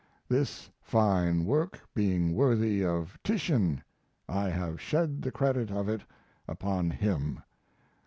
This fine work being worthy of Titian, I have shed the credit of it upon him.